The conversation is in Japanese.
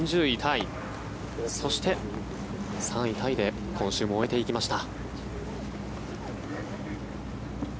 そして、３位タイで今週も終えていきました。